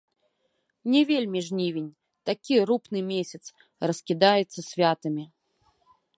Не вельмі жнівень, такі рупны месяц, раскідаецца святамі.